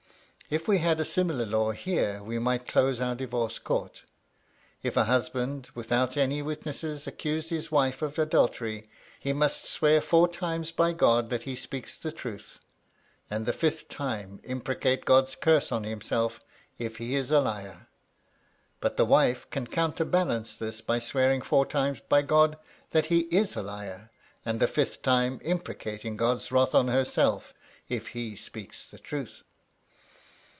If we had a similar law here we might close our Divorce Court. If a husband without any witnesses accuses his wife of adultery, he must swear four times by God that he speaks the truth, and the fifth time imprecate God's curse on himself if he is a liar; but the wife can counterbalance this by swearing four times by God that he is a liar, and the fifth time imprecating God's wrath on herself if he speaks the truth.